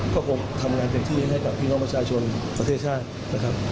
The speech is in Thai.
ก็คงทำงานเต็มที่ให้กับพี่น้องประชาชนประเทศชาตินะครับ